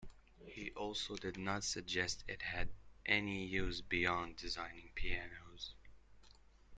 He also did not suggest it had any use beyond designing pianos.